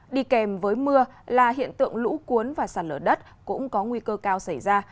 đi kèm với mưa là hiện tượng lũ cuốn và sàn lở đất cũng có nguy cơ cao xảy ra